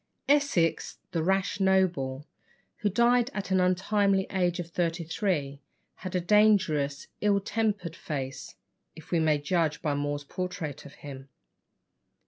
Essex, the rash noble, who died at the untimely age of thirty three, had a dangerous, ill tempered face, if we may judge by More's portrait of him.